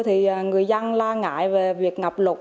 thì người dân la ngại về việc ngập lụt